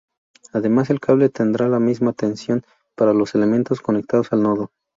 Además, el cable tendrá la misma tensión para los elementos conectados al nodo.